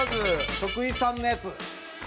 徳井さんのやつ。